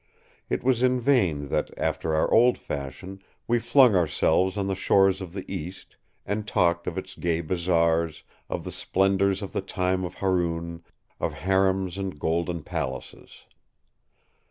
It was in vain that, after our old fashion, we flung ourselves on the shores of the East, and talked of its gay bazaars, of the splendors of the time of Haroun, of harems and golden palaces.